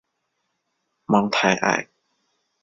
芒泰埃。